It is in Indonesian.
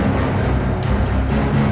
mungkin ingin mencancurkan para uenerang